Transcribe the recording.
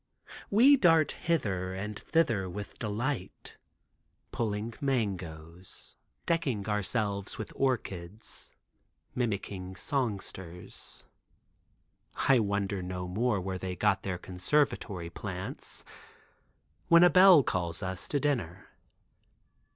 We dart hither and thither with delight, pulling mangoes, decking ourselves with orchids, mimicking songsters. I wonder no more where they get their conservatory plants. When a bell calls us to dinner.